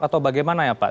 atau bagaimana ya pak